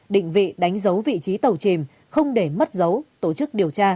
định vị đánh dấu vị trí tàu chìm không để mất dấu tổ chức điều tra